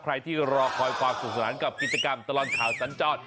ใครที่รอคอยความสุขสนานกับกิจกรรมตลอดข่าวสัญจร